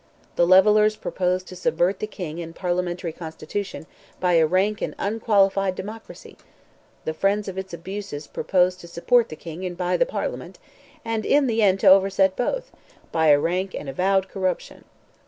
The levellers propose to subvert the King and parliamentary constitution by a rank and unqualified democracy—the friends of its abuses propose to support the King and buy the Parliament, and in the end to overset both, by a rank and avowed corruption.